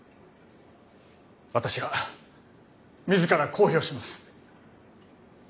私が自ら公表します。